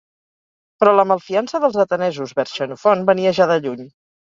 pèrò la malfiança dels atenesos vers Xenofont venia ja de lluny